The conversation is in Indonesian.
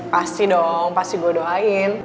pasti dong pasti gue doain